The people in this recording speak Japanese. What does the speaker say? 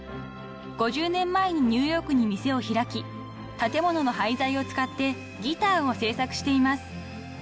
［５０年前にニューヨークに店を開き建物の廃材を使ってギターを制作しています］